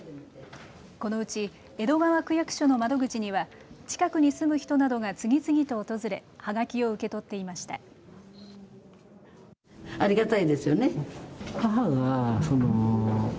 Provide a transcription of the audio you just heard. このうち江戸川区役所の窓口には近くに住む人などが次々と訪れはがきを受け取っていました。